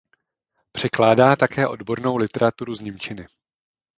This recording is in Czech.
Překládá také odbornou literaturu z němčiny.